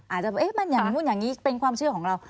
อาจจะมันอย่างนู้นอย่างนี้เป็นความเชื่อของเรา